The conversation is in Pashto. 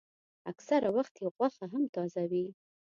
اکثره وخت یې غوښه هم تازه وي.